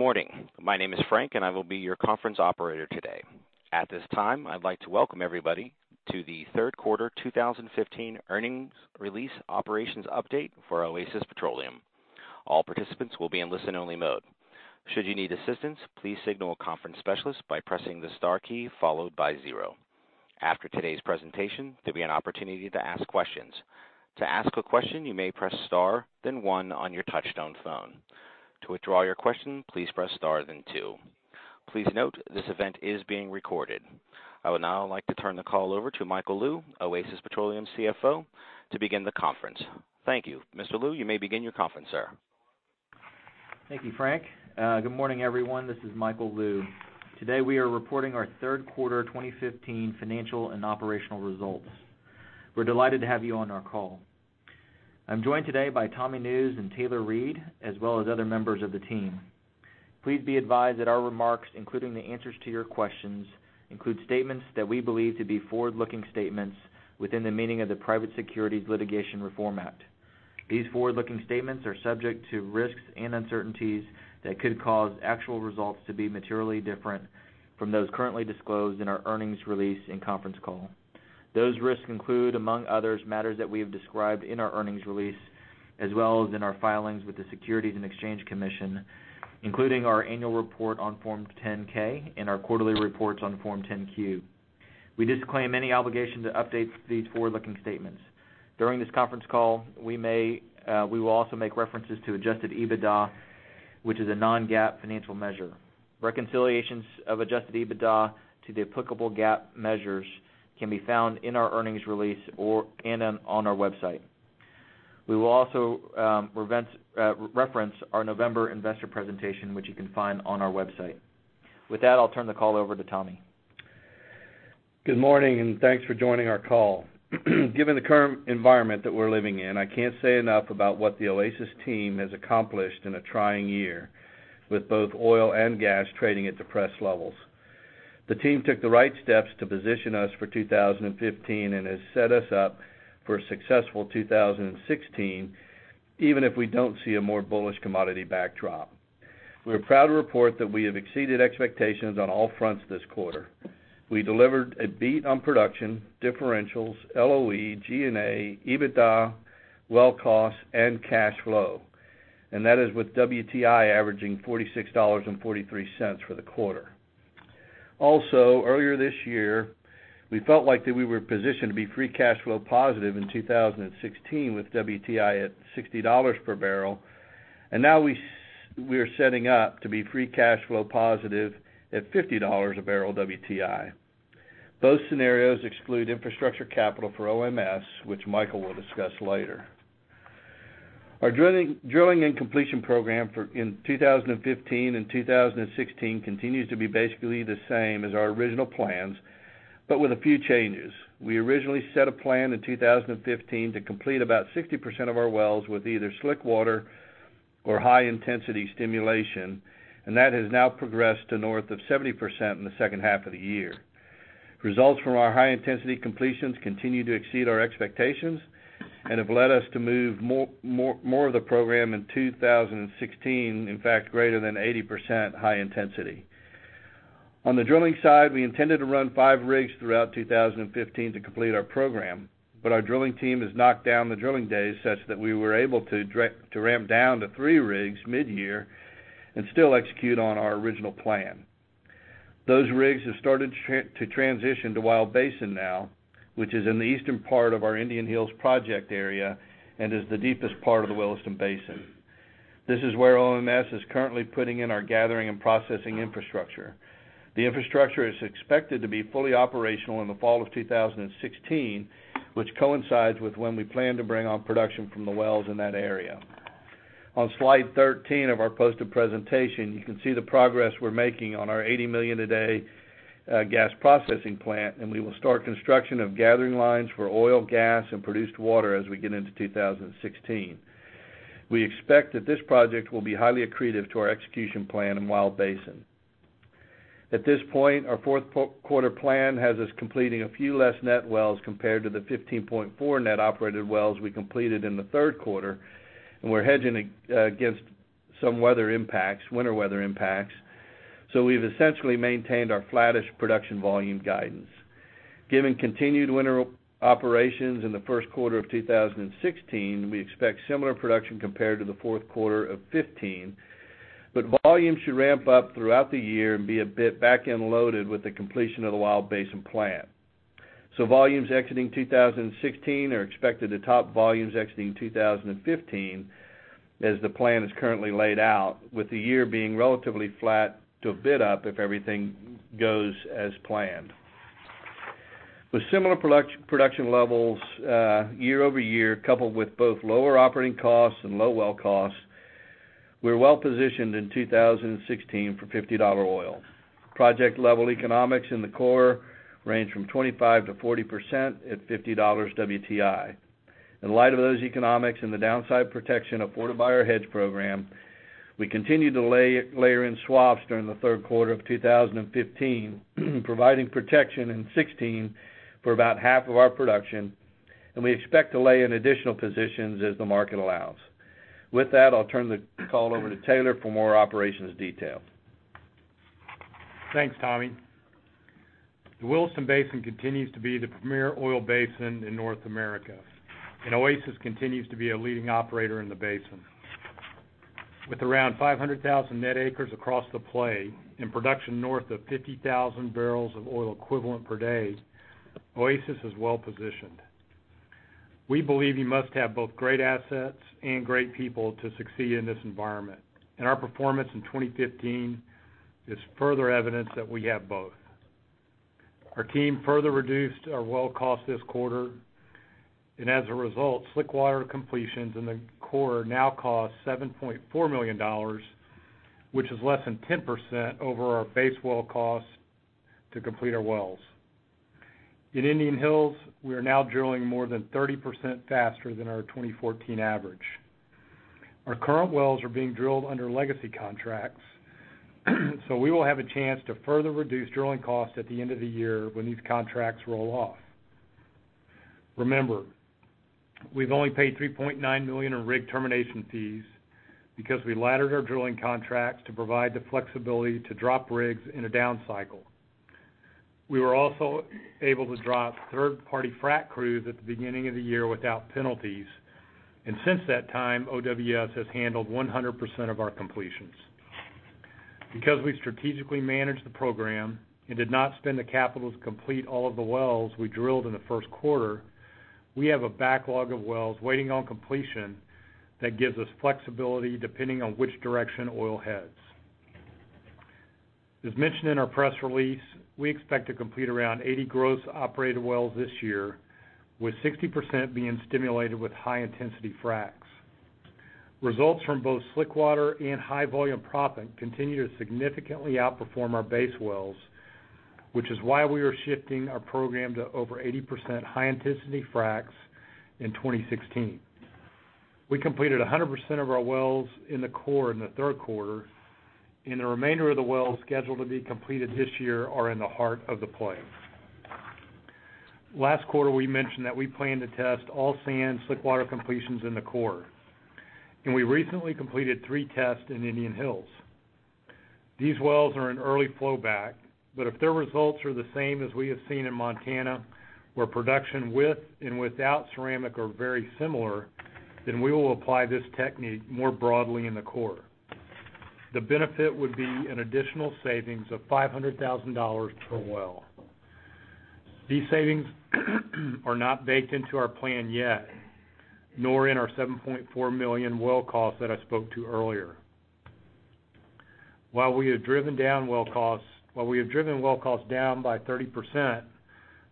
Good morning. My name is Frank. I will be your conference operator today. At this time, I'd like to welcome everybody to the third quarter 2015 earnings release operations update for Oasis Petroleum. All participants will be in listen-only mode. Should you need assistance, please signal a conference specialist by pressing the star key followed by zero. After today's presentation, there'll be an opportunity to ask questions. To ask a question, you may press star then one on your touchtone phone. To withdraw your question, please press star then two. Please note this event is being recorded. I would now like to turn the call over to Michael Lou, Oasis Petroleum CFO, to begin the conference. Thank you. Mr. Lou, you may begin your conference, sir. Thank you, Frank. Good morning, everyone. This is Michael Lou. Today, we are reporting our third quarter 2015 financial and operational results. We're delighted to have you on our call. I'm joined today by Thomas Nusz and Taylor Reid, as well as other members of the team. Please be advised that our remarks, including the answers to your questions, include statements that we believe to be forward-looking statements within the meaning of the Private Securities Litigation Reform Act. These forward-looking statements are subject to risks and uncertainties that could cause actual results to be materially different from those currently disclosed in our earnings release and conference call. Those risks include, among others, matters that we have described in our earnings release, as well as in our filings with the Securities and Exchange Commission, including our annual report on Form 10-K and our quarterly reports on Form 10-Q. We disclaim any obligation to update these forward-looking statements. During this conference call, we will also make references to adjusted EBITDA, which is a non-GAAP financial measure. Reconciliations of adjusted EBITDA to the applicable GAAP measures can be found in our earnings release and on our website. We will also reference our November investor presentation, which you can find on our website. With that, I'll turn the call over to Tommy. Good morning. Thanks for joining our call. Given the current environment that we're living in, I can't say enough about what the Oasis team has accomplished in a trying year, with both oil and gas trading at depressed levels. The team took the right steps to position us for 2015 and has set us up for a successful 2016, even if we don't see a more bullish commodity backdrop. We're proud to report that we have exceeded expectations on all fronts this quarter. We delivered a beat on production, differentials, LOE, G&A, EBITDA, well costs, and cash flow, and that is with WTI averaging $46.43 for the quarter. Earlier this year, we felt like that we were positioned to be free cash flow positive in 2016 with WTI at $60 per barrel. Now we are setting up to be free cash flow positive at $50 a barrel WTI. Both scenarios exclude infrastructure capital for OMS, which Michael will discuss later. Our drilling and completion program in 2015 and 2016 continues to be basically the same as our original plans, with a few changes. We originally set a plan in 2015 to complete about 60% of our wells with either slickwater or high-intensity stimulation, and that has now progressed to north of 70% in the second half of the year. Results from our high-intensity completions continue to exceed our expectations and have led us to move more of the program in 2016, in fact, greater than 80% high intensity. On the drilling side, we intended to run five rigs throughout 2015 to complete our program. Our drilling team has knocked down the drilling days such that we were able to ramp down to three rigs mid-year and still execute on our original plan. Those rigs have started to transition to Wild Basin now, which is in the eastern part of our Indian Hills project area and is the deepest part of the Williston Basin. This is where OMS is currently putting in our gathering and processing infrastructure. The infrastructure is expected to be fully operational in the fall of 2016, which coincides with when we plan to bring on production from the wells in that area. On slide 13 of our posted presentation, you can see the progress we're making on our 80 million a day gas processing plant. We will start construction of gathering lines for oil, gas, and produced water as we get into 2016. We expect that this project will be highly accretive to our execution plan in Wild Basin. At this point, our fourth quarter plan has us completing a few less net wells compared to the 15.4 net operated wells we completed in the third quarter. We're hedging against some winter weather impacts. We've essentially maintained our flattish production volume guidance. Given continued winter operations in the first quarter of 2016, we expect similar production compared to the fourth quarter of 2015, but volumes should ramp up throughout the year and be a bit back-end loaded with the completion of the Wild Basin plant. Volumes exiting 2016 are expected to top volumes exiting 2015 as the plan is currently laid out, with the year being relatively flat to a bit up if everything goes as planned. With similar production levels year-over-year, coupled with both lower operating costs and low well costs, we're well-positioned in 2016 for $50 oil. Project level economics in the core range from 25%-40% at $50 WTI. In light of those economics and the downside protection afforded by our hedge program, we continued to layer in swaps during the third quarter of 2015, providing protection in 2016 for about half of our production. We expect to lay in additional positions as the market allows. With that, I'll turn the call over to Taylor for more operations detail. Thanks, Tommy. The Williston Basin continues to be the premier oil basin in North America. Oasis continues to be a leading operator in the basin. With around 500,000 net acres across the play and production north of 50,000 barrels of oil equivalent per day, Oasis is well-positioned. We believe you must have both great assets and great people to succeed in this environment. Our performance in 2015 is further evidence that we have both. Our team further reduced our well cost this quarter. As a result, slickwater completions in the core now cost $7.4 million, which is less than 10% over our base well cost to complete our wells. In Indian Hills, we are now drilling more than 30% faster than our 2014 average. Our current wells are being drilled under legacy contracts. We will have a chance to further reduce drilling costs at the end of the year when these contracts roll off. Remember, we've only paid $3.9 million in rig termination fees because we laddered our drilling contracts to provide the flexibility to drop rigs in a down cycle. We were also able to drop third-party frac crews at the beginning of the year without penalties. Since that time, OWS has handled 100% of our completions. Because we strategically managed the program and did not spend the capital to complete all of the wells we drilled in the first quarter, we have a backlog of wells waiting on completion that gives us flexibility depending on which direction oil heads. As mentioned in our press release, we expect to complete around 80 gross operated wells this year, with 60% being stimulated with high-intensity fracs. Results from both slickwater and high volume proppant continue to significantly outperform our base wells, which is why we are shifting our program to over 80% high-intensity fracs in 2016. We completed 100% of our wells in the core in the third quarter. The remainder of the wells scheduled to be completed this year are in the heart of the play. Last quarter, we mentioned that we plan to test all sand slickwater completions in the core. We recently completed three tests in Indian Hills. These wells are in early flow-back. If their results are the same as we have seen in Montana, where production with and without ceramic are very similar, we will apply this technique more broadly in the core. The benefit would be an additional savings of $500,000 per well. These savings are not baked into our plan yet, nor in our $7.4 million well cost that I spoke to earlier. While we have driven well costs down by 30%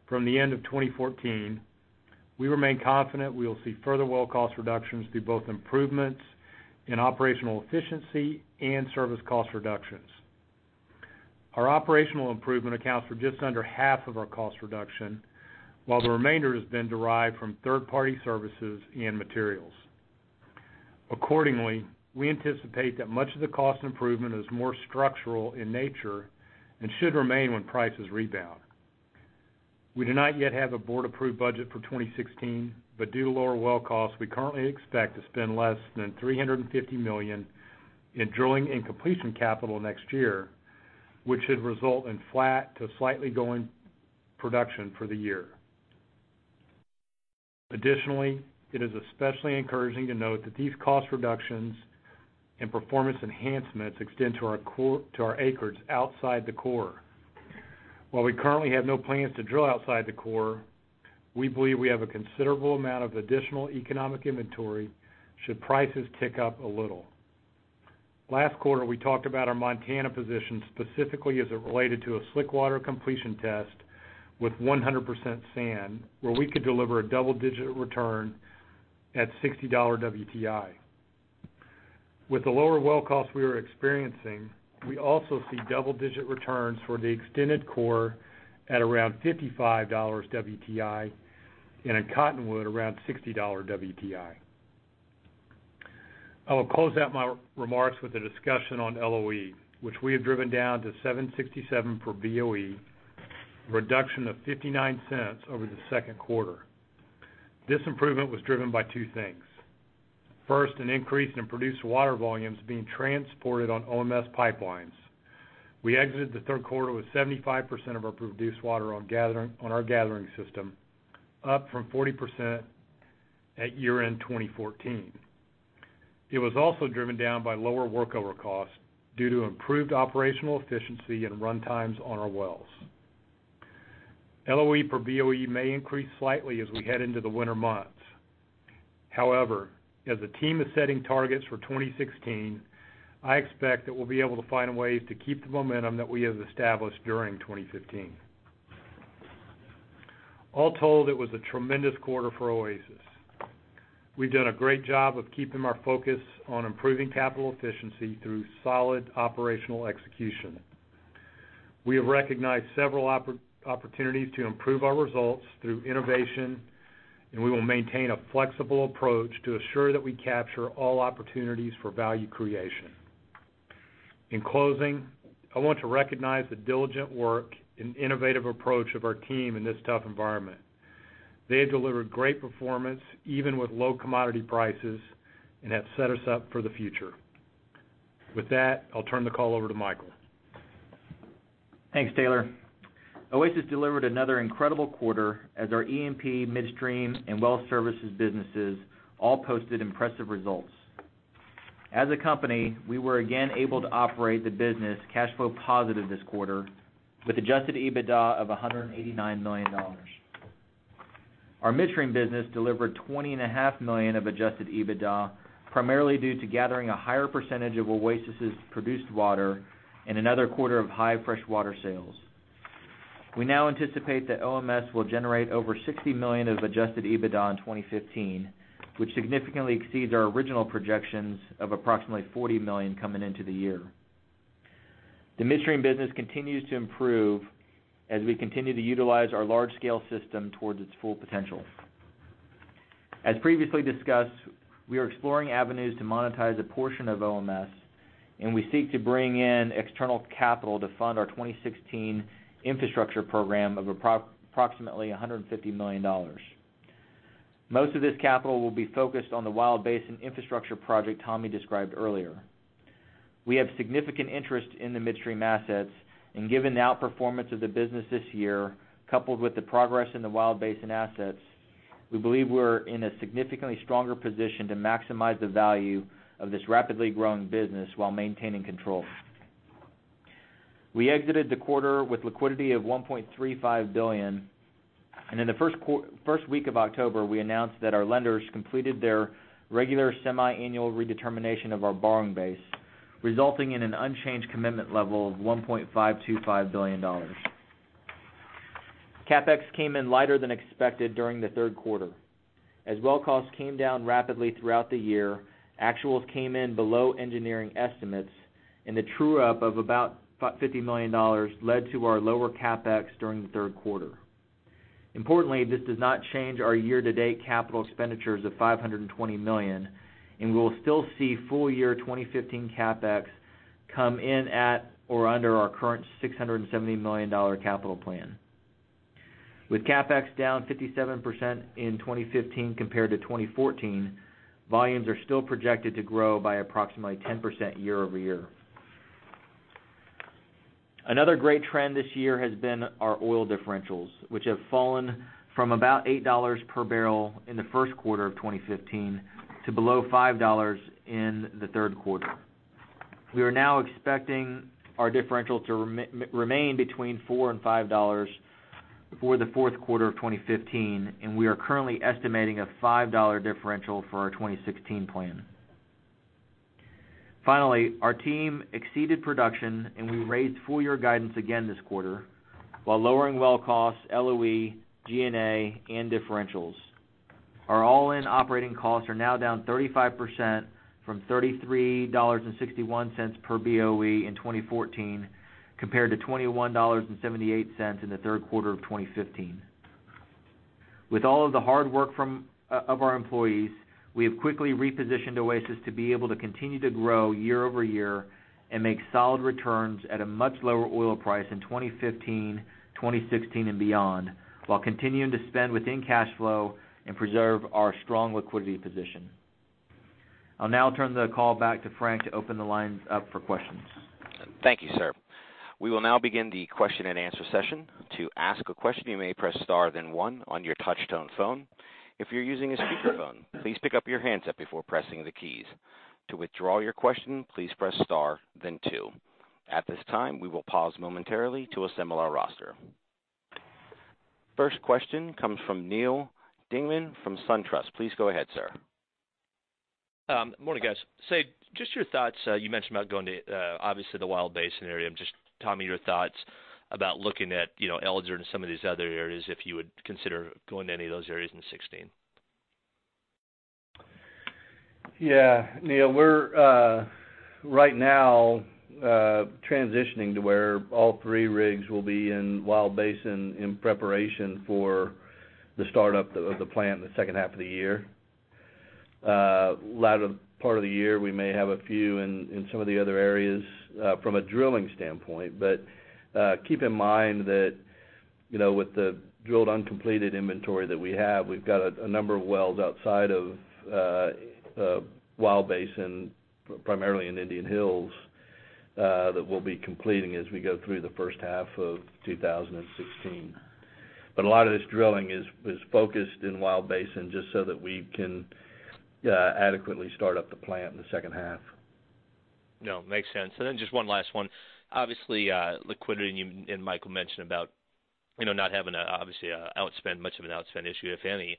from the end of 2014, we remain confident we will see further well cost reductions through both improvements in operational efficiency and service cost reductions. Our operational improvement accounts for just under half of our cost reduction, while the remainder has been derived from third-party services and materials. Accordingly, we anticipate that much of the cost improvement is more structural in nature and should remain when prices rebound. We do not yet have a board-approved budget for 2016, but due to lower well costs, we currently expect to spend less than $350 million in drilling and completion capital next year, which should result in flat to slightly growing production for the year. Additionally, it is especially encouraging to note that these cost reductions and performance enhancements extend to our acres outside the core. While we currently have no plans to drill outside the core, we believe we have a considerable amount of additional economic inventory should prices tick up a little. Last quarter, we talked about our Montana position specifically as it related to a slickwater completion test with 100% sand, where we could deliver a double-digit return at $60 WTI. With the lower well costs we are experiencing, we also see double-digit returns for the extended core at around $55 WTI and in Cottonwood around $60 WTI. I will close out my remarks with a discussion on LOE, which we have driven down to $7.67 per BOE, a reduction of $0.59 over the second quarter. This improvement was driven by two things. First, an increase in produced water volumes being transported on OMS pipelines. We exited the third quarter with 75% of our produced water on our gathering system, up from 40% at year-end 2014. It was also driven down by lower workover costs due to improved operational efficiency and runtimes on our wells. LOE per BOE may increase slightly as we head into the winter months. As the team is setting targets for 2016, I expect that we'll be able to find ways to keep the momentum that we have established during 2015. All told, it was a tremendous quarter for Oasis. We've done a great job of keeping our focus on improving capital efficiency through solid operational execution. We have recognized several opportunities to improve our results through innovation, we will maintain a flexible approach to assure that we capture all opportunities for value creation. In closing, I want to recognize the diligent work and innovative approach of our team in this tough environment. They have delivered great performance, even with low commodity prices, and have set us up for the future. With that, I'll turn the call over to Michael. Thanks, Taylor. Oasis delivered another incredible quarter as our E&P midstream and well services businesses all posted impressive results. As a company, we were again able to operate the business cash flow positive this quarter with adjusted EBITDA of $189 million. Our midstream business delivered $20.5 million of adjusted EBITDA, primarily due to gathering a higher percentage of Oasis's produced water and another quarter of high freshwater sales. We now anticipate that OMS will generate over $60 million of adjusted EBITDA in 2015, which significantly exceeds our original projections of approximately $40 million coming into the year. The midstream business continues to improve as we continue to utilize our large-scale system towards its full potential. As previously discussed, we are exploring avenues to monetize a portion of OMS, we seek to bring in external capital to fund our 2016 infrastructure program of approximately $150 million. Most of this capital will be focused on the Williston Basin infrastructure project Tommy Nusz described earlier. We have significant interest in the midstream assets and given the outperformance of the business this year, coupled with the progress in the Williston Basin assets, we believe we are in a significantly stronger position to maximize the value of this rapidly growing business while maintaining control. We exited the quarter with liquidity of $1.35 billion, and in the first week of October, we announced that our lenders completed their regular semi-annual redetermination of our borrowing base, resulting in an unchanged commitment level of $1.525 billion. CapEx came in lighter than expected during the third quarter. As well costs came down rapidly throughout the year, actuals came in below engineering estimates, and the true-up of about $50 million led to our lower CapEx during the third quarter. Importantly, this does not change our year-to-date capital expenditures of $520 million, and we will still see full year 2015 CapEx come in at or under our current $670 million capital plan. With CapEx down 57% in 2015 compared to 2014, volumes are still projected to grow by approximately 10% year-over-year. Another great trend this year has been our oil differentials, which have fallen from about $8 per barrel in the first quarter of 2015 to below $5 in the third quarter. We are now expecting our differential to remain between $4 and $5 for the fourth quarter of 2015, and we are currently estimating a $5 differential for our 2016 plan. Finally, our team exceeded production, and we raised full year guidance again this quarter while lowering well costs, LOE, G&A, and differentials. Our all-in operating costs are now down 35% from $33.61 per BOE in 2014, compared to $21.78 in the third quarter of 2015. With all of the hard work of our employees, we have quickly repositioned Oasis to be able to continue to grow year-over-year and make solid returns at a much lower oil price in 2015, 2016, and beyond, while continuing to spend within cash flow and preserve our strong liquidity position. I will now turn the call back to Frank to open the lines up for questions. Thank you, sir. We will now begin the question and answer session. To ask a question, you may press star, then one on your touch-tone phone. If you are using a speakerphone, please pick up your handset before pressing the keys. To withdraw your question, please press star, then two. At this time, we will pause momentarily to assemble our roster. First question comes from Neal Dingmann from SunTrust. Please go ahead, sir. Morning, guys. Just your thoughts, you mentioned about going to obviously the Wild Basin area. Just Tommy Nusz, your thoughts about looking at Eldridge and some of these other areas, if you would consider going to any of those areas in 2016. Yeah. Neal, we're right now transitioning to where all three rigs will be in Wild Basin in preparation for the startup of the plant in the second half of the year. Latter part of the year, we may have a few in some of the other areas from a drilling standpoint. Keep in mind that with the drilled uncompleted inventory that we have, we've got a number of wells outside of Wild Basin, primarily in Indian Hills, that we'll be completing as we go through the first half of 2016. A lot of this drilling is focused in Wild Basin just so that we can adequately start up the plant in the second half. No, makes sense. Just one last one. Obviously, liquidity and Michael mentioned about not having obviously much of an outspend issue, if any.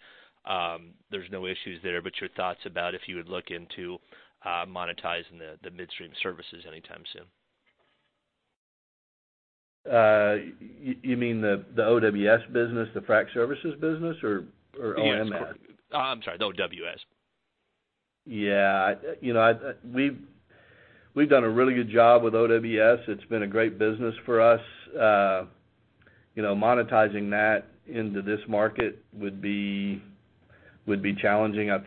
There's no issues there, your thoughts about if you would look into monetizing the midstream services anytime soon. You mean the OWS business, the frac services business or OMS? I'm sorry, the OWS. Yeah. We've done a really good job with OWS. It's been a great business for us. Monetizing that into this market would be challenging. I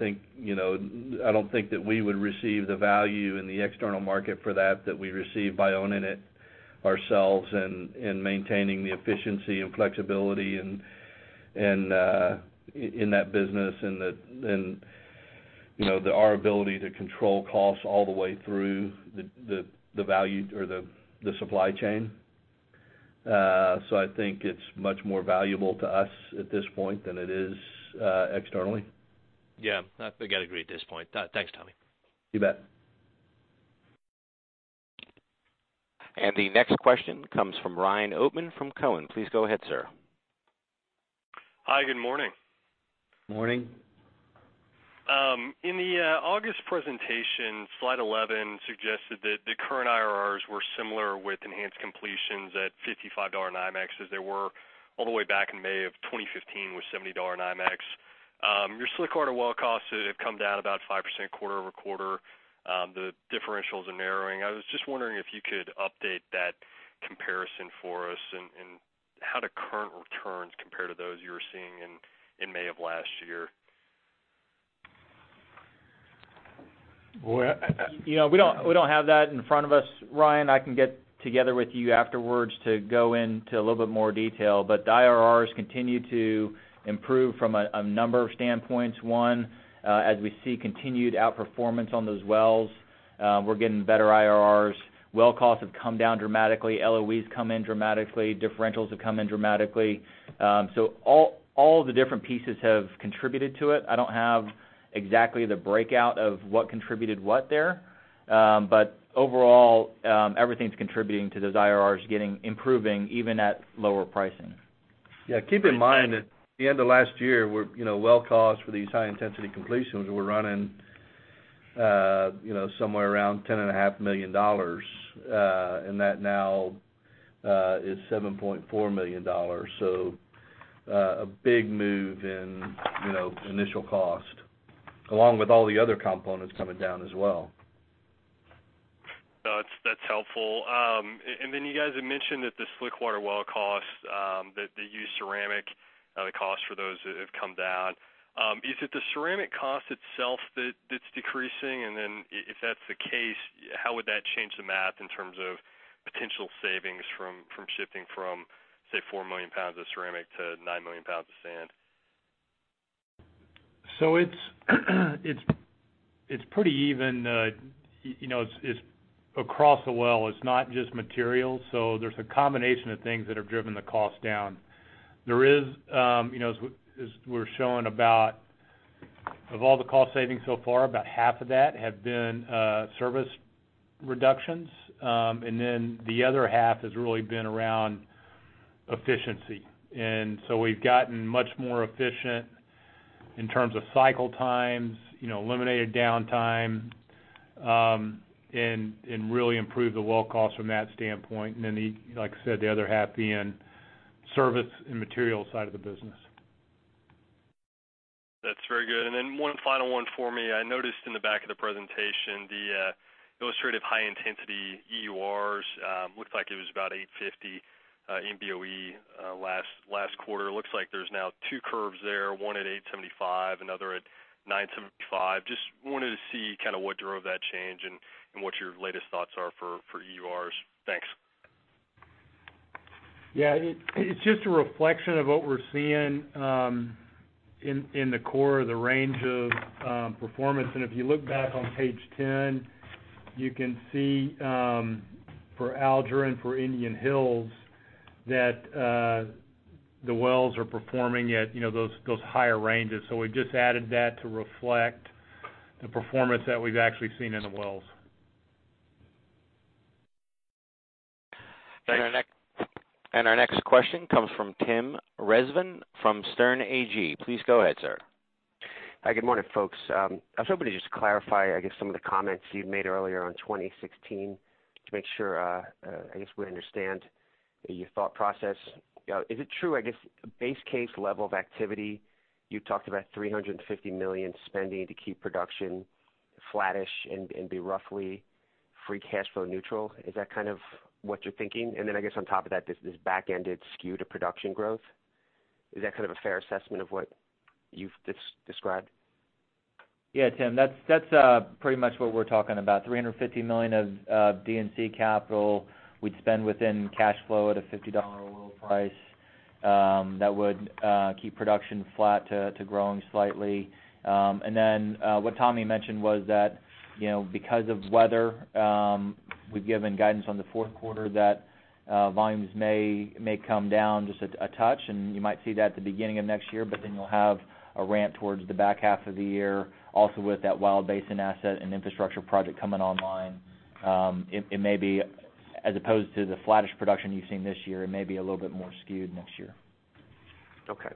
don't think that we would receive the value in the external market for that we receive by owning it ourselves and maintaining the efficiency and flexibility in that business and our ability to control costs all the way through the supply chain. I think it's much more valuable to us at this point than it is externally. Yeah. I think I'd agree at this point. Thanks, Tommy. You bet. The next question comes from Ryan Oatman from Cowen. Please go ahead, sir. Hi, good morning. Morning. In the August presentation, slide 11 suggested that the current IRRs were similar with enhanced completions at $55 NYMEX as they were all the way back in May of 2015 with $70 NYMEX. Your slickwater well costs have come down about 5% quarter-over-quarter. The differentials are narrowing. I was just wondering if you could update that comparison for us and how the current returns compare to those you were seeing in May of last year. We don't have that in front of us, Ryan. I can get together with you afterwards to go into a little bit more detail. The IRRs continue to improve from a number of standpoints. One, as we see continued outperformance on those wells, we're getting better IRRs. Well costs have come down dramatically. LOEs come in dramatically. Differentials have come in dramatically. All the different pieces have contributed to it. I don't have exactly the breakout of what contributed what there. Overall, everything's contributing to those IRRs improving, even at lower pricing. Yeah, keep in mind that at the end of last year, well costs for these high-intensity completions were running somewhere around $10.5 million. That now is $7.4 million. A big move in initial cost, along with all the other components coming down as well. That's helpful. You guys had mentioned that the slickwater well cost, that they use ceramic, the cost for those have come down. Is it the ceramic cost itself that's decreasing? If that's the case, how would that change the math in terms of potential savings from shifting from, say, 4 million pounds of ceramic to 9 million pounds of sand? It's pretty even. It's across the well. It's not just materials. There's a combination of things that have driven the cost down. As we're showing, of all the cost savings so far, about half of that have been service reductions. The other half has really been around efficiency. We've gotten much more efficient in terms of cycle times, eliminated downtime, and really improved the well cost from that standpoint. Like I said, the other half being service and material side of the business. That's very good. One final one for me. I noticed in the back of the presentation, the illustrative high-intensity EURs looked like it was about 850 BOE last quarter. Looks like there's now two curves there, one at 875, another at 975. Just wanted to see what drove that change and what your latest thoughts are for EURs. Thanks. Yeah, it's just a reflection of what we're seeing in the core of the range of performance. If you look back on page 10, you can see for Alger and for Indian Hills that the wells are performing at those higher ranges. We just added that to reflect the performance that we've actually seen in the wells. Our next question comes from Tim Rezvan from Sterne Agee. Please go ahead, sir. Hi, good morning, folks. I was hoping to just clarify, I guess, some of the comments you made earlier on 2016 to make sure, I guess, we understand your thought process. Is it true, I guess, base case level of activity, you talked about $350 million spending to keep production flattish and be roughly free cash flow neutral? Is that kind of what you're thinking? Then I guess on top of that, this back-ended skew to production growth. Is that kind of a fair assessment of what you've described? Yeah, Tim, that's pretty much what we're talking about. $350 million of D&C capital we'd spend within cash flow at a $50 oil price. That would keep production flat to growing slightly. Then what Tommy mentioned was that because of weather, we've given guidance on the fourth quarter that volumes may come down just a touch, and you might see that at the beginning of next year, then you'll have a ramp towards the back half of the year. Also with that Wild Basin asset and infrastructure project coming online. It may be, as opposed to the flattish production you've seen this year, it may be a little bit more skewed next year. Okay.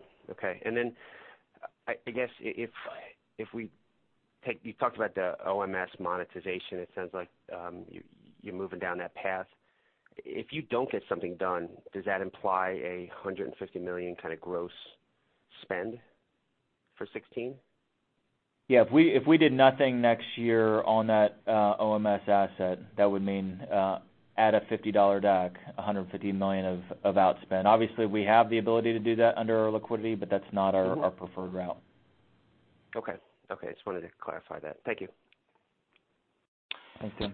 I guess you talked about the OMS monetization. It sounds like you are moving down that path. If you don't get something done, does that imply a $150 million kind of gross spend for 2016? Yeah, if we did nothing next year on that OMS asset, that would mean at a $50 DUC, $150 million of outspend. Obviously, we have the ability to do that under our liquidity, that's not our preferred route. Okay. Just wanted to clarify that. Thank you. Thank you.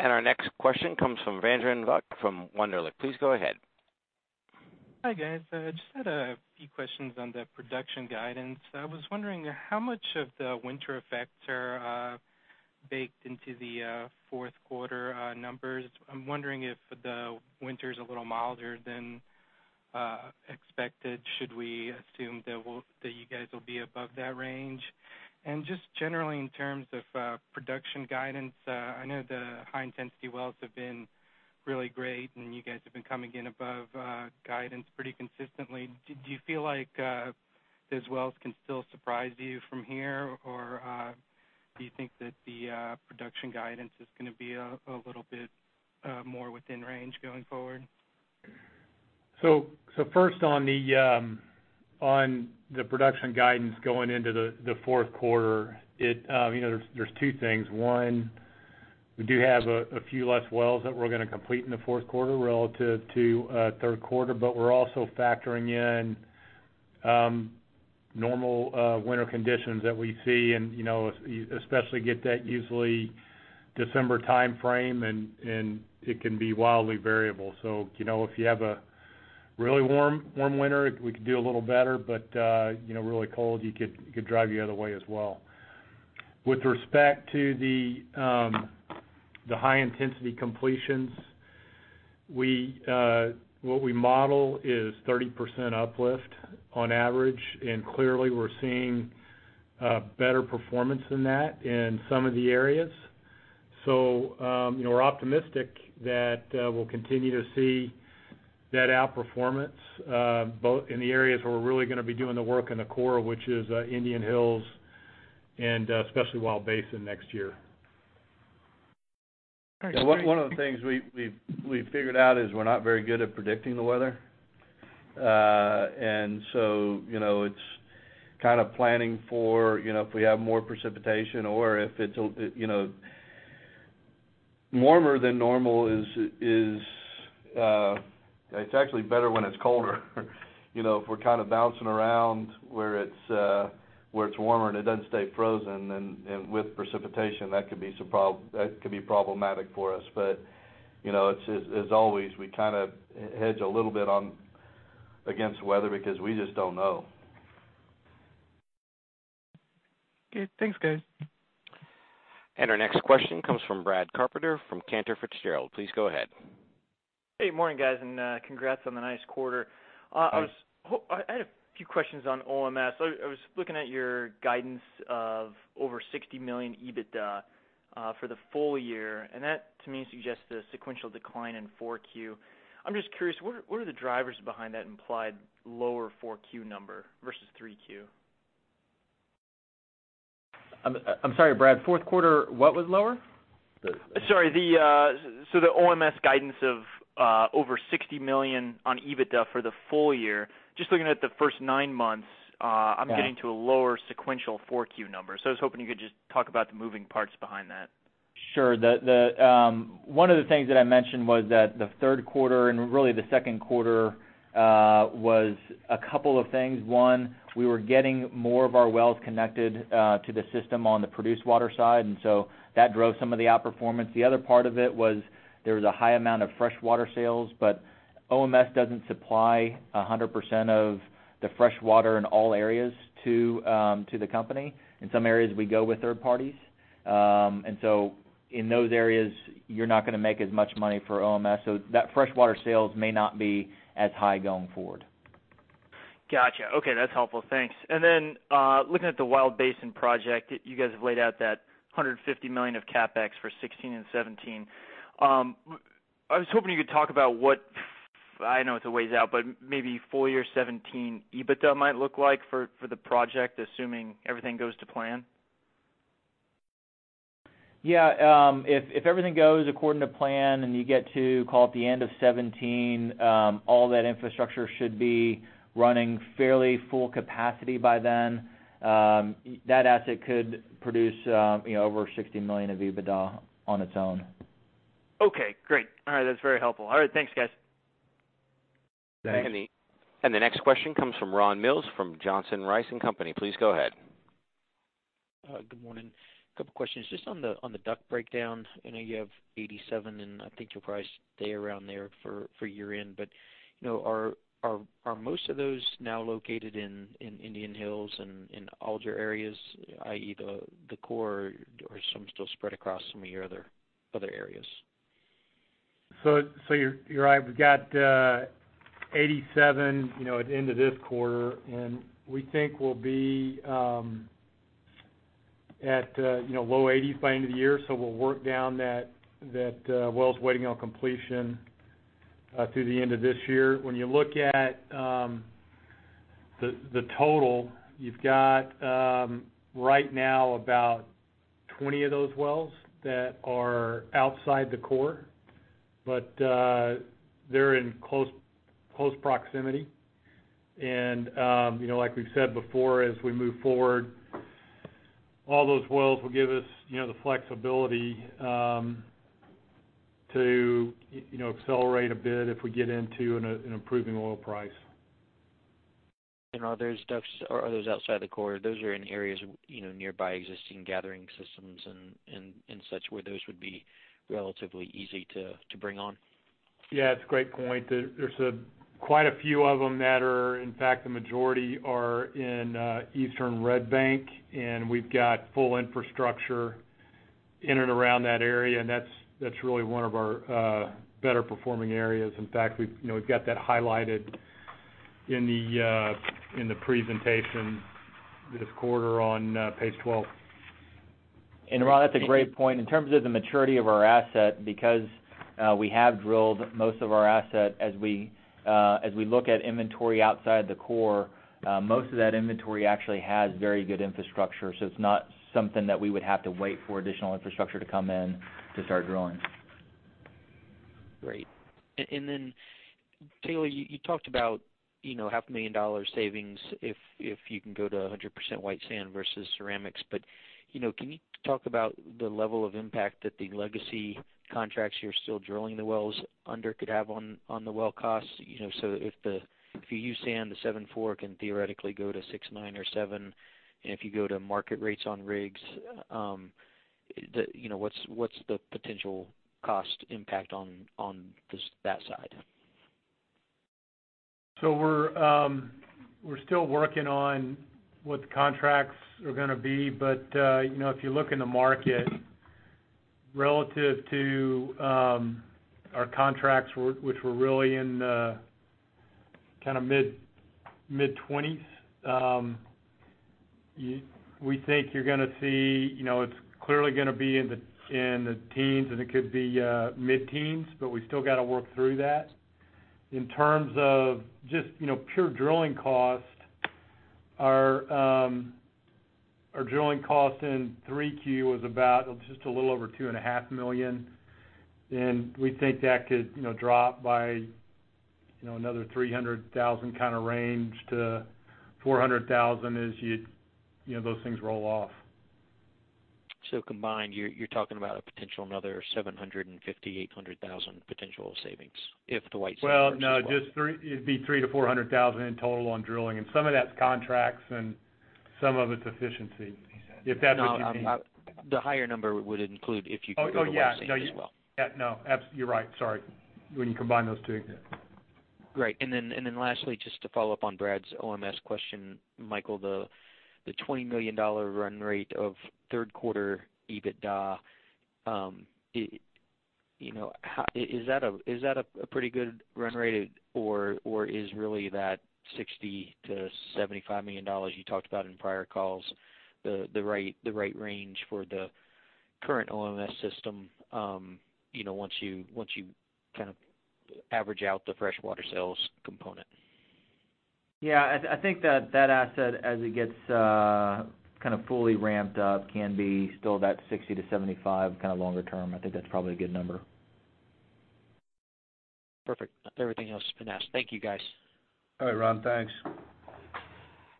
Our next question comes from [Jason Wangler] from Wunderlich. Please go ahead. Hi, guys. Just had a few questions on the production guidance. I was wondering how much of the winter effects are baked into the fourth quarter numbers. I'm wondering if the winter's a little milder than expected, should we assume that you guys will be above that range? Just generally, in terms of production guidance, I know the high-intensity wells have been really great, and you guys have been coming in above guidance pretty consistently. Do you feel like those wells can still surprise you from here, or do you think that the production guidance is going to be a little bit more within range going forward? First, on the production guidance going into the fourth quarter, there are two things. One, we do have a few less wells that we're going to complete in the fourth quarter relative to third quarter, we're also factoring in normal winter conditions that we see, especially get that usually December timeframe, and it can be wildly variable. If you have a really warm winter, we could do a little better, really cold, it could drive the other way as well. With respect to the high-intensity completions, what we model is 30% uplift on average. Clearly, we're seeing better performance than that in some of the areas. We're optimistic that we'll continue to see that outperformance both in the areas where we're really going to be doing the work in the core, which is Indian Hills and especially Wild Basin next year. All right. Great. One of the things we've figured out is we're not very good at predicting the weather. So it's kind of planning for if we have more precipitation or if it's warmer than normal is. It's actually better when it's colder. If we're kind of bouncing around where it's warmer and it doesn't stay frozen, and with precipitation, that could be problematic for us. As always, we kind of hedge a little bit against weather because we just don't know. Okay. Thanks, guys. Our next question comes from Brad Carpenter from Cantor Fitzgerald. Please go ahead. Hey, morning, guys, congrats on the nice quarter. Thanks. I had a few questions on OMS. I was looking at your guidance of over $60 million EBITDA for the full year, and that, to me, suggests a sequential decline in 4Q. I'm just curious, what are the drivers behind that implied lower 4Q number versus 3Q? I'm sorry, Brad. Fourth quarter, what was lower? Sorry. The OMS guidance of over $60 million EBITDA for the full year. Just looking at the first nine months. Got it. I'm getting to a lower sequential 4Q number. I was hoping you could just talk about the moving parts behind that. Sure. One of the things that I mentioned was that the third quarter, and really the second quarter, was a couple of things. One, we were getting more of our wells connected to the system on the produced water side, that drove some of the outperformance. The other part of it was there was a high amount of freshwater sales, OMS doesn't supply 100% of the freshwater in all areas to the company. In some areas, we go with third parties. In those areas, you're not going to make as much money for OMS. That freshwater sales may not be as high going forward. Got you. Okay, that's helpful. Thanks. Looking at the Wild Basin project, you guys have laid out that $150 million of CapEx for 2016 and 2017. I was hoping you could talk about what, I know it's a ways out, but maybe full year 2017 EBITDA might look like for the project, assuming everything goes to plan. Yeah. If everything goes according to plan you get to, call it the end of 2017, all that infrastructure should be running fairly full capacity by then. That asset could produce over $60 million of EBITDA on its own. Okay, great. All right, that's very helpful. All right, thanks, guys. Thanks. The next question comes from Ron Mills from Johnson Rice & Company. Please go ahead. Good morning. A couple questions just on the DUC breakdown. I know you have 87, and I think you'll probably stay around there for year-end, but are most of those now located in Indian Hills and in Alger areas, i.e. the core, or are some still spread across some of your other areas? You're right. We've got 87 at the end of this quarter, and we think we'll be at low 80s by end of the year. We'll work down that wells waiting on completion through the end of this year. When you look at the total, you've got right now about 20 of those wells that are outside the core. They're in close proximity. Like we've said before, as we move forward, all those wells will give us the flexibility to accelerate a bit if we get into an improving oil price. Are those outside the core? Those are in areas nearby existing gathering systems and such, where those would be relatively easy to bring on? Yeah, it's a great point. There's quite a few of them that are, in fact, the majority are in Eastern Red Bank, and we've got full infrastructure in and around that area, and that's really one of our better performing areas. In fact, we've got that highlighted in the presentation this quarter on page 12. Ron, that's a great point. In terms of the maturity of our asset, because we have drilled most of our asset, as we look at inventory outside the core, most of that inventory actually has very good infrastructure. It's not something that we would have to wait for additional infrastructure to come in to start drilling. Great. Taylor, you talked about half a million dollars savings if you can go to 100% white sand versus ceramics. Can you talk about the level of impact that the legacy contracts you're still drilling the wells under could have on the well costs? If you use sand, the $7.4 can theoretically go to $6.9 or $7.0. If you go to market rates on rigs, what's the potential cost impact on that side? We're still working on what the contracts are going to be. If you look in the market relative to our contracts, which were really in the mid-20s, we think you're going to see it's clearly going to be in the teens, and it could be mid-teens, but we still got to work through that. In terms of just pure drilling cost, our drilling cost in 3Q was about just a little over two and a half million, and we think that could drop by another $300,000-$400,000 as those things roll off. Combined, you're talking about a potential another $750,000-$800,000 potential savings if the white sand works as well. Well, no, it'd be $300,000-$400,000 in total on drilling. Some of that's contracts and some of it's efficiency. If that's what you mean? No, the higher number would include if you could do the white sand as well. Oh, yeah. No, you're right. Sorry. When you combine those two, yeah. Lastly, just to follow up on Brad's OMS question, Michael, the $20 million run rate of third quarter EBITDA, is that a pretty good run rate, or is really that $60 million-$75 million you talked about in prior calls the right range for the current OMS system once you average out the freshwater sales component? Yeah, I think that that asset, as it gets fully ramped up, can be still that $60 million-$75 million longer term. I think that's probably a good number. Perfect. Everything else has been asked. Thank you, guys. All right, Ron. Thanks.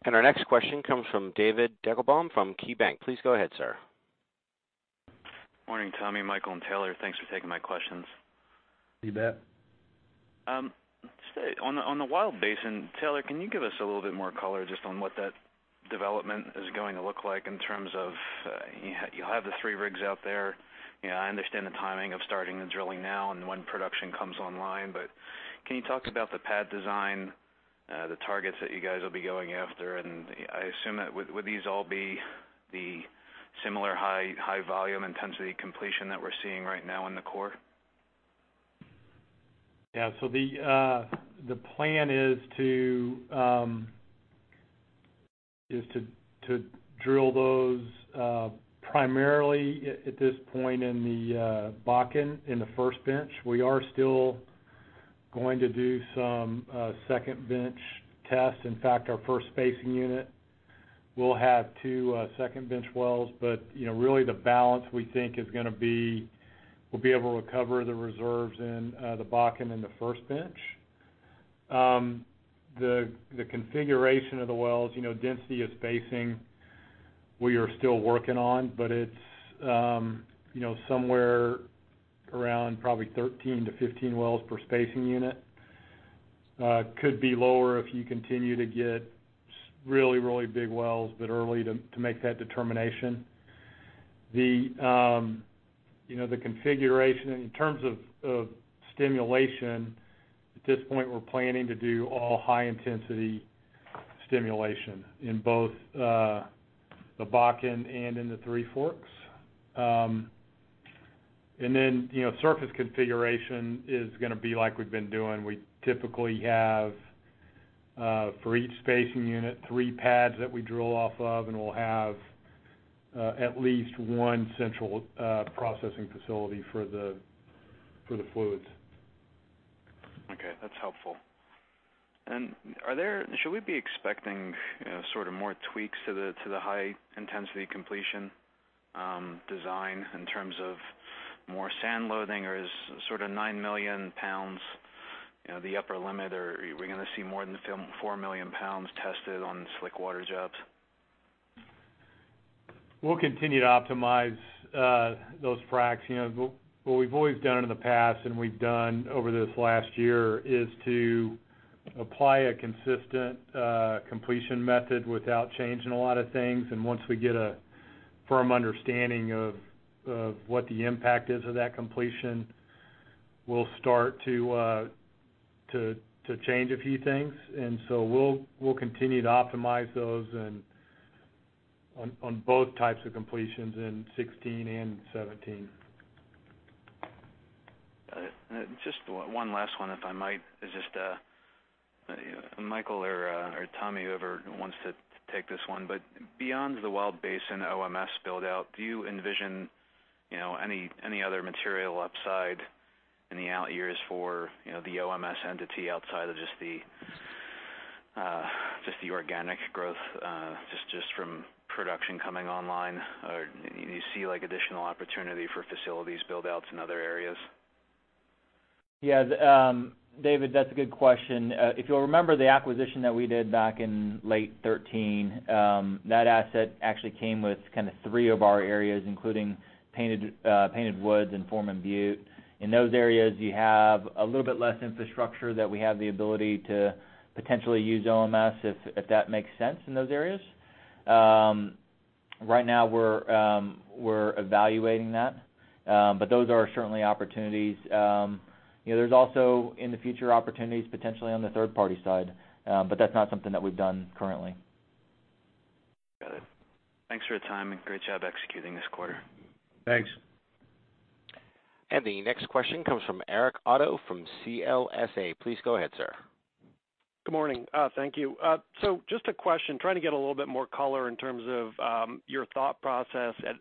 Our next question comes from David Deckelbaum from KeyBank. Please go ahead, sir. Morning, Tommy, Michael, and Taylor. Thanks for taking my questions. You bet. On the Williston Basin, Taylor, can you give us a little bit more color just on what that development is going to look like in terms of, you'll have the three rigs out there. I understand the timing of starting the drilling now and when production comes online. Can you talk about the pad design, the targets that you guys will be going after? And I assume would these all be the similar high-intensity volume intensity completion that we're seeing right now in the core? The plan is to drill those primarily at this point in the Bakken in the first bench. We are still going to do some second bench tests. In fact, our first spacing unit will have two second bench wells. Really the balance we think is going to be, we'll be able to recover the reserves in the Bakken in the first bench. The configuration of the wells, density of spacing, we are still working on, but it's somewhere around probably 13-15 wells per spacing unit. Could be lower if you continue to get really big wells that early to make that determination. The configuration in terms of stimulation, at this point, we're planning to do all high-intensity stimulation in both the Bakken and in the Three Forks. Surface configuration is going to be like we've been doing. We typically have for each spacing unit, three pads that we drill off of, we'll have at least one central processing facility for the fluids. Okay, that's helpful. Should we be expecting more tweaks to the high-intensity completion design in terms of more sand loading? Or is 9 million pounds the upper limit? Are we going to see more than 4 million pounds tested on slickwater jobs? We'll continue to optimize those fracs. What we've always done in the past, and we've done over this last year, is to apply a consistent completion method without changing a lot of things. Once we get a firm understanding of what the impact is of that completion, we'll start to change a few things. So we'll continue to optimize those on both types of completions in 2016 and 2017. Just one last one, if I might. It's just, Michael or Tommy, whoever wants to take this one. Beyond the Wild Basin OMS build-out, do you envision any other material upside in the out years for the OMS entity outside of just the organic growth just from production coming online? Do you see additional opportunity for facilities build-outs in other areas? Yeah. David, that's a good question. If you'll remember the acquisition that we did back in late 2013, that asset actually came with three of our areas, including Painted Woods and Foreman Butte. In those areas, you have a little bit less infrastructure that we have the ability to potentially use OMS, if that makes sense in those areas. Right now, we're evaluating that. Those are certainly opportunities. There's also, in the future, opportunities potentially on the third-party side. That's not something that we've done currently. Got it. Thanks for your time. Great job executing this quarter. Thanks. The next question comes from Eric Otto from CLSA. Please go ahead, sir. Good morning. Thank you. Just a question, trying to get a little bit more color in terms of your thought process at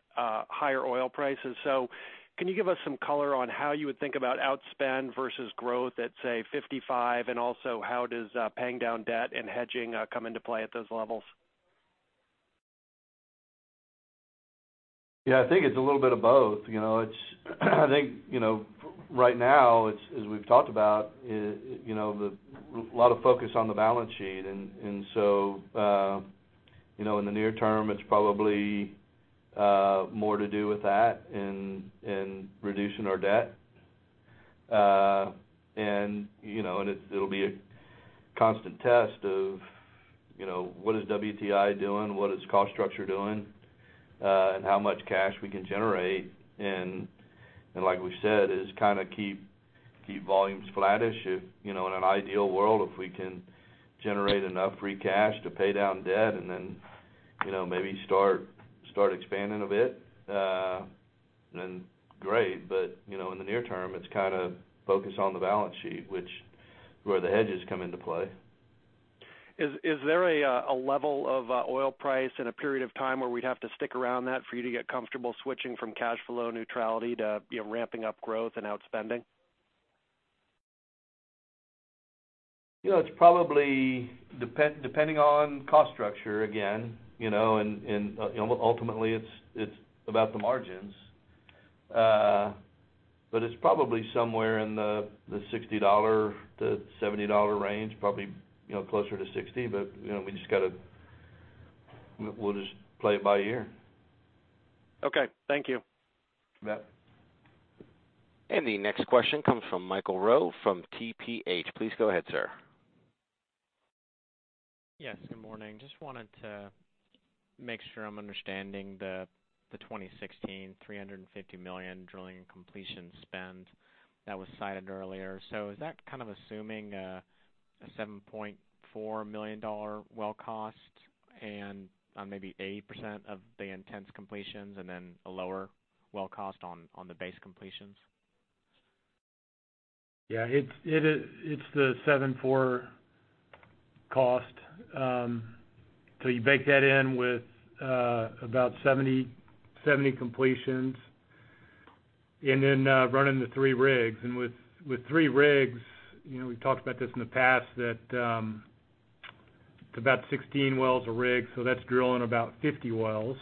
higher oil prices. Can you give us some color on how you would think about outspend versus growth at, say, $55? Also, how does paying down debt and hedging come into play at those levels? Yeah. I think it's a little bit of both. I think, right now, as we've talked about, a lot of focus on the balance sheet. So, in the near term, it's probably more to do with that and reducing our debt. It'll be a constant test of what is WTI doing, what is cost structure doing, and how much cash we can generate. Like we said, just keep volumes flattish. In an ideal world, if we can generate enough free cash to pay down debt, maybe start expanding a bit, great. In the near term, it's focused on the balance sheet, which is where the hedges come into play. Is there a level of oil price and a period of time where we'd have to stick around that for you to get comfortable switching from cash flow neutrality to ramping up growth and outspending? It's probably depending on cost structure, again. Ultimately, it's about the margins. It's probably somewhere in the $60 to $70 range, probably closer to 60. We'll just play it by ear. Okay. Thank you. You bet. The next question comes from Mike Sharkey from TPH. Please go ahead, sir. Yes, good morning. Just wanted to make sure I'm understanding the 2016 $350 million drilling and completion spend that was cited earlier. Is that assuming a $7.4 million well cost and maybe 80% of the intense completions, and then a lower well cost on the base completions? Yeah. It's the 7.4 cost. You bake that in with about 70 completions, and then running the three rigs. With three rigs, we've talked about this in the past, that it's about 16 wells a rig, that's drilling about 50 wells.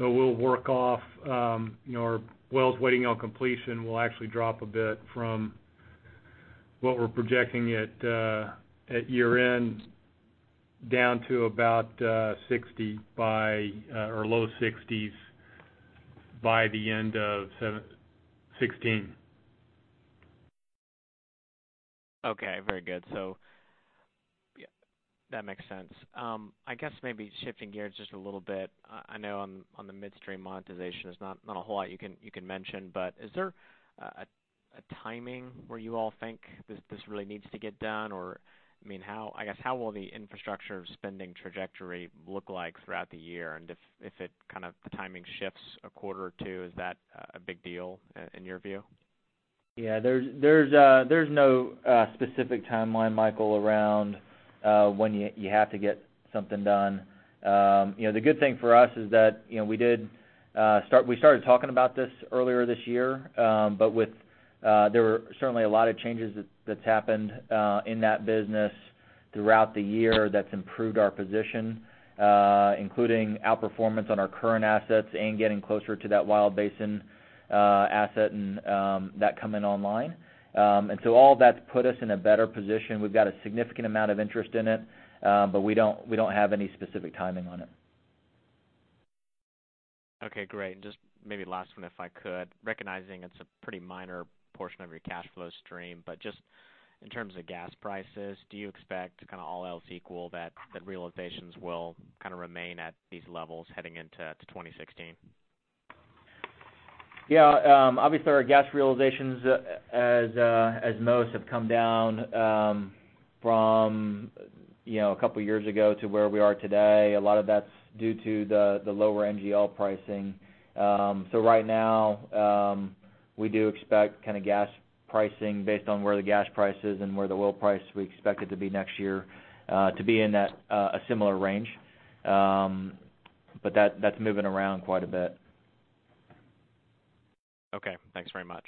We'll work off our wells waiting on completion will actually drop a bit from what we're projecting at year-end down to about 60 or low 60s by the end of 2016. Okay. Very good. That makes sense. I guess maybe shifting gears just a little bit. I know on the midstream monetization, there's not a whole lot you can mention, but is there a timing where you all think this really needs to get done? Or how will the infrastructure spending trajectory look like throughout the year? And if the timing shifts a quarter or two, is that a big deal in your view? Yeah. There's no specific timeline, Michael, around when you have to get something done. The good thing for us is that we started talking about this earlier this year. There were certainly a lot of changes that's happened in that business Throughout the year, that's improved our position, including outperformance on our current assets and getting closer to that Wild Basin asset and that coming online. All of that's put us in a better position. We've got a significant amount of interest in it, but we don't have any specific timing on it. Okay, great. Just maybe last one, if I could. Recognizing it's a pretty minor portion of your cash flow stream, but just in terms of gas prices, do you expect, all else equal, that realizations will remain at these levels heading into 2016? Yeah. Obviously, our gas realizations, as most, have come down from a couple of years ago to where we are today. A lot of that's due to the lower NGL pricing. Right now, we do expect gas pricing based on where the gas price is and where the oil price we expect it to be next year to be in a similar range. That's moving around quite a bit. Okay. Thanks very much.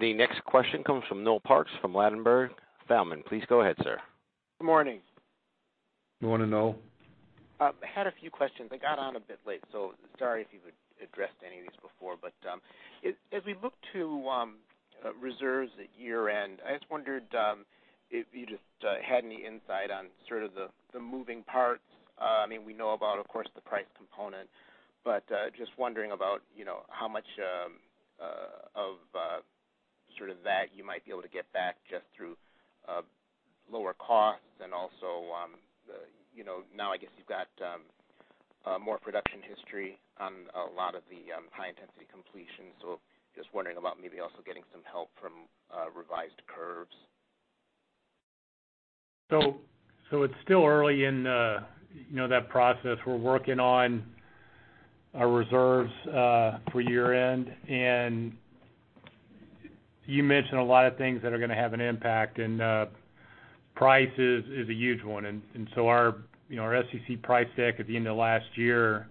The next question comes from Noel Parks from Ladenburg Thalmann. Please go ahead, sir. Good morning. Good morning, Noel. I had a few questions. I got on a bit late, so sorry if you've addressed any of these before. As we look to reserves at year-end, I just wondered if you just had any insight on sort of the moving parts. We know about, of course, the price component, but just wondering about how much of that you might be able to get back just through lower costs and also now I guess you've got more production history on a lot of the high-intensity completions. Just wondering about maybe also getting some help from revised curves. It's still early in that process. We're working on our reserves for year-end. You mentioned a lot of things that are going to have an impact. Price is a huge one. Our SEC price deck at the end of last year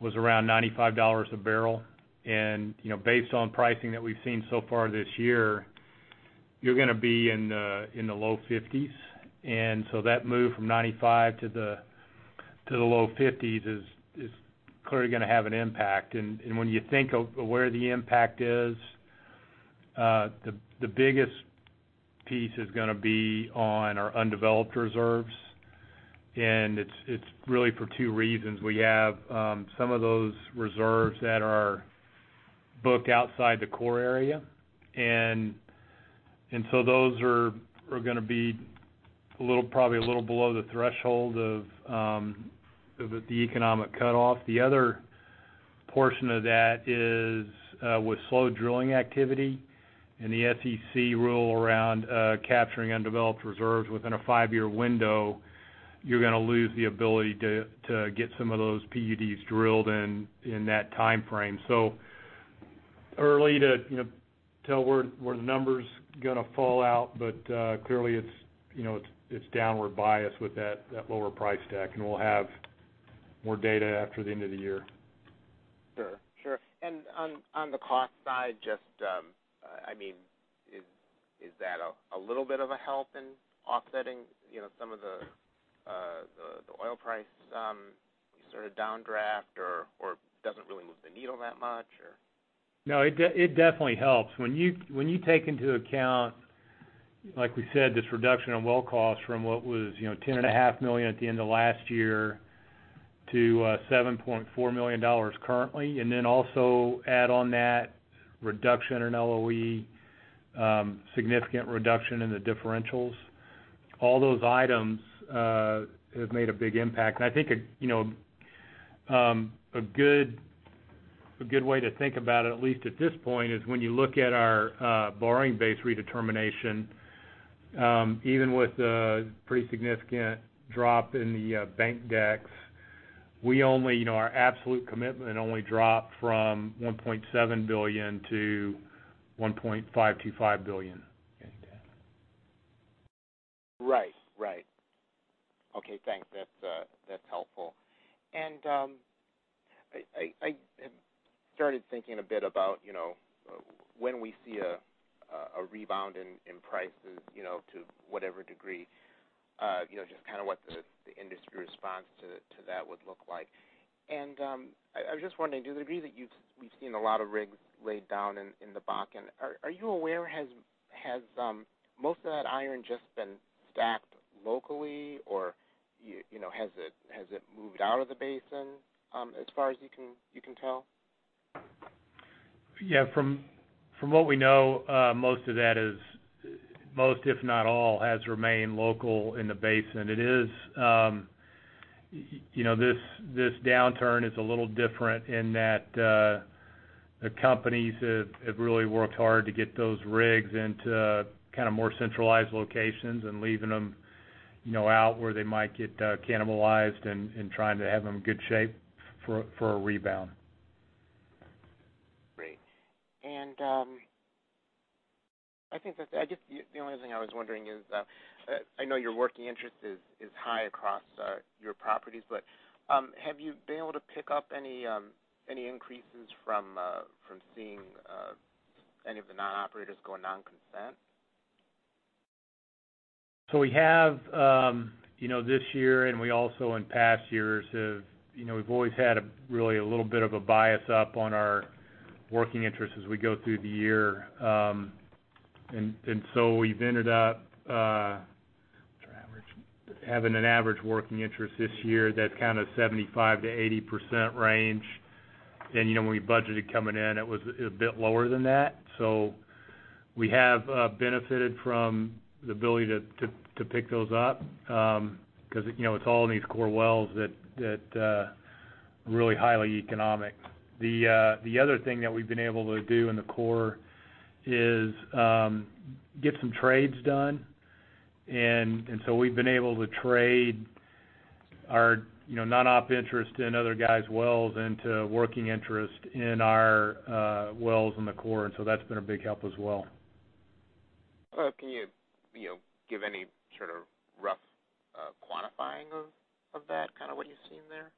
was around $95 a barrel. Based on pricing that we've seen so far this year, you're going to be in the low 50s. That move from 95 to the low 50s is clearly going to have an impact. When you think of where the impact is, the biggest piece is going to be on our undeveloped reserves. It's really for two reasons. We have some of those reserves that are booked outside the core area. Those are going to be probably a little below the threshold of the economic cutoff. The other portion of that is with slow drilling activity and the SEC rule around capturing undeveloped reserves within a five-year window, you're going to lose the ability to get some of those PUDs drilled in that timeframe. Early to tell where the numbers are going to fall out. Clearly, it's downward bias with that lower price deck. We'll have more data after the end of the year. Sure. On the cost side, just is that a little bit of a help in offsetting some of the oil price sort of downdraft, or doesn't really move the needle that much or? No, it definitely helps. When you take into account, like we said, this reduction in well cost from what was $10.5 million at the end of last year to $7.4 million currently, and then also add on that reduction in LOE, significant reduction in the differentials, all those items have made a big impact. I think a good way to think about it, at least at this point, is when you look at our borrowing base redetermination, even with a pretty significant drop in the bank decks, our absolute commitment only dropped from $1.7 billion to $1.525 billion. Right. Okay, thanks. That's helpful. I started thinking a bit about when we see a rebound in prices to whatever degree, just what the industry response to that would look like. I was just wondering, do you agree that we've seen a lot of rigs laid down in the Bakken? Are you aware, has most of that iron just been stacked locally, or has it moved out of the basin as far as you can tell? Yeah. From what we know, most, if not all, has remained local in the basin. This downturn is a little different in that the companies have really worked hard to get those rigs into more centralized locations and leaving them out where they might get cannibalized and trying to have them in good shape for a rebound. Great. I think that's it. I guess the only other thing I was wondering is I know your working interest is high across your properties, have you been able to pick up any increases from seeing any of the non-operators go non-consent? We have this year, we also in past years, we've always had really a little bit of a bias up on our working interest as we go through the year. We've ended up having an average working interest this year that's 75%-80% range. When we budgeted coming in, it was a bit lower than that. We have benefited from the ability to pick those up, because it's all in these core wells that are really highly economic. The other thing that we've been able to do in the core is get some trades done. We've been able to trade our non-op interest in other guys' wells into working interest in our wells in the core. That's been a big help as well. Can you give any sort of rough quantifying of that, kind of what you've seen there?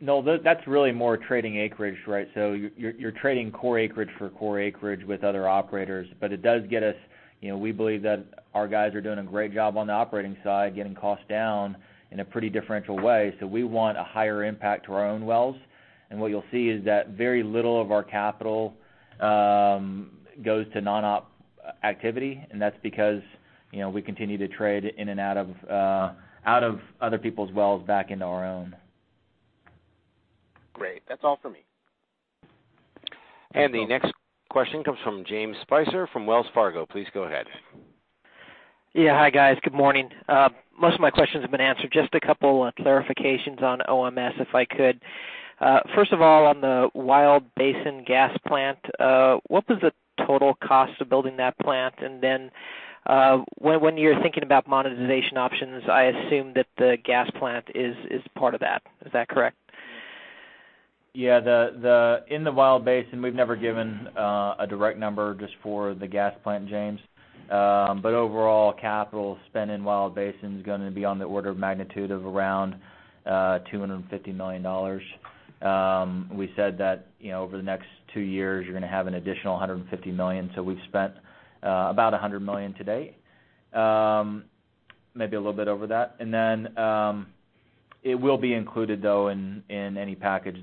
No, that's really more trading acreage, right? You're trading core acreage for core acreage with other operators. We believe that our guys are doing a great job on the operating side, getting costs down in a pretty differential way. We want a higher impact to our own wells. What you'll see is that very little of our capital goes to non-op activity, and that's because we continue to trade in and out of other people's wells back into our own. Great. That's all for me. The next question comes from James Spicer from Wells Fargo. Please go ahead. Yeah. Hi, guys. Good morning. Most of my questions have been answered. Just a couple clarifications on OMS, if I could. First of all, on the Wild Basin gas plant, what was the total cost of building that plant? Then, when you're thinking about monetization options, I assume that the gas plant is part of that. Is that correct? Yeah. In the Wild Basin, we've never given a direct number just for the gas plant, James. Overall, capital spend in Wild Basin is going to be on the order of magnitude of around $250 million. We said that over the next two years, you're going to have an additional $150 million. We've spent about $100 million to date, maybe a little bit over that. It will be included though in any package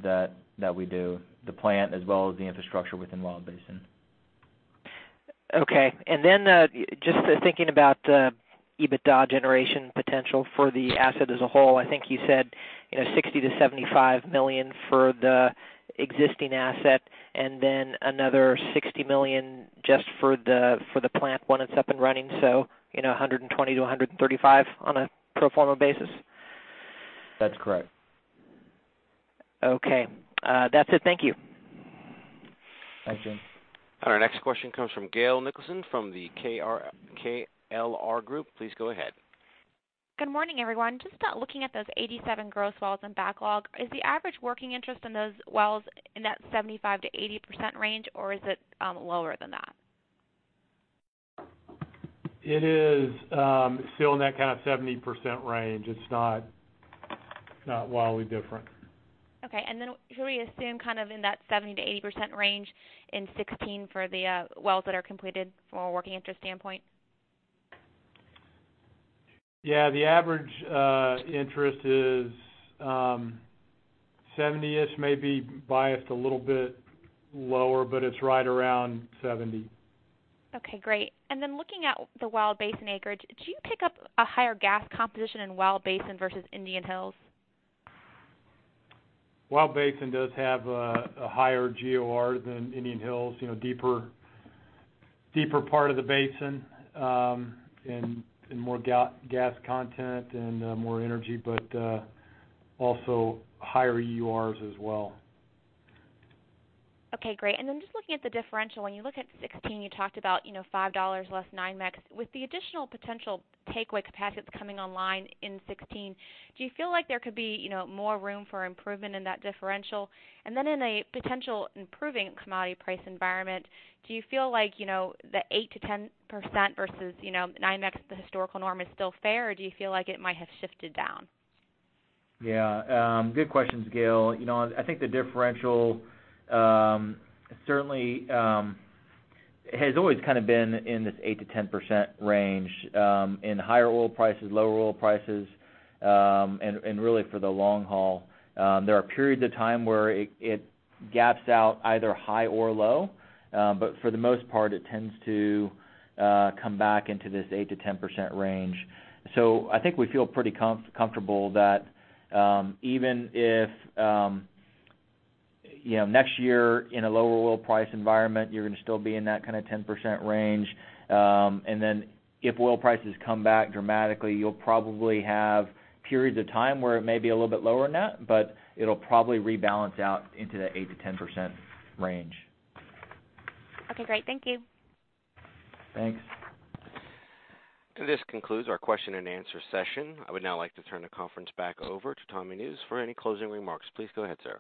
that we do, the plant as well as the infrastructure within Wild Basin. Okay. Just thinking about the EBITDA generation potential for the asset as a whole. I think you said $60 million-$75 million for the existing asset, and then another $60 million just for the plant when it's up and running. $120 million-$135 million on a pro forma basis? That's correct. Okay. That's it. Thank you. Thanks, James. Our next question comes from Gail Nicholson from the KLR Group. Please go ahead. Good morning, everyone. Just looking at those 87 gross wells in backlog, is the average working interest in those wells in that 75%-80% range, or is it lower than that? It is still in that kind of 70% range. It's not wildly different. Should we assume in that 70%-80% range in 2016 for the wells that are completed from a working interest standpoint? Yeah. The average interest is 70-ish, maybe biased a little bit lower, but it's right around 70. Okay, great. Looking at the Wild Basin acreage, do you pick up a higher gas composition in Wild Basin versus Indian Hills? Wild Basin does have a higher GOR than Indian Hills, deeper part of the basin, and more gas content and more energy, also higher EURs as well. Okay, great. Just looking at the differential, when you look at 2016, you talked about $5 less NYMEX. With the additional potential takeaway capacities coming online in 2016, do you feel like there could be more room for improvement in that differential? In a potential improving commodity price environment, do you feel like the 8%-10% versus NYMEX, the historical norm, is still fair, do you feel like it might have shifted down? Yeah. Good questions, Gail. I think the differential certainly has always been in this 8%-10% range in higher oil prices, lower oil prices, really for the long haul. There are periods of time where it gaps out either high or low. For the most part, it tends to come back into this 8%-10% range. I think we feel pretty comfortable that even if next year, in a lower oil price environment, you're going to still be in that 10% range. If oil prices come back dramatically, you'll probably have periods of time where it may be a little bit lower than that, it'll probably rebalance out into that 8%-10% range. Okay, great. Thank you. Thanks. This concludes our question and answer session. I would now like to turn the conference back over to Thomas Nusz for any closing remarks. Please go ahead, sir.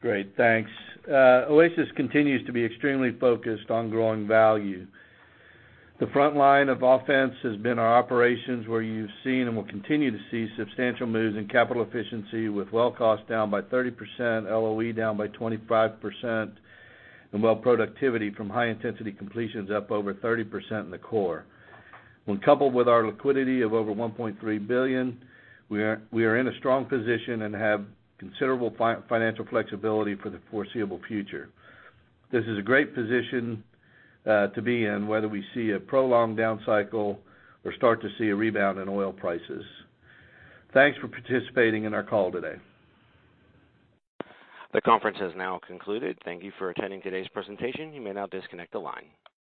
Great. Thanks. Oasis continues to be extremely focused on growing value. The front line of offense has been our operations, where you've seen and will continue to see substantial moves in capital efficiency with well cost down by 30%, LOE down by 25%, and well productivity from high-intensity completions up over 30% in the core. When coupled with our liquidity of over $1.3 billion, we are in a strong position and have considerable financial flexibility for the foreseeable future. This is a great position to be in whether we see a prolonged down cycle or start to see a rebound in oil prices. Thanks for participating in our call today. The conference has now concluded. Thank you for attending today's presentation. You may now disconnect the line.